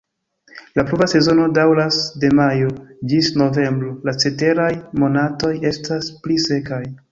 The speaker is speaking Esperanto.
La pluva sezono daŭras de majo ĝis novembro, la ceteraj monatoj estas pli sekaj.